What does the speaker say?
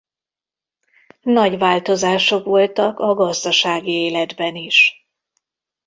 Nagy változások voltak a gazdasági életben is.